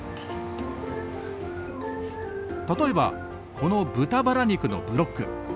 例えばこの豚バラ肉のブロック。